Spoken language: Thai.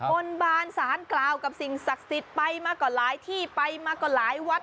บนบานสารกล่าวกับสิ่งศักดิ์สิทธิ์ไปมาก็หลายที่ไปมาก็หลายวัด